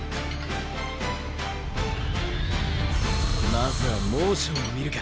まずはモーションを見るか。